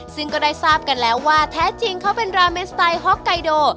ซึ่งก็ได้ทราบกันแล้วว่าแท้จริงเขาเป็นราเมนสไตล์ฮ็อกไกโด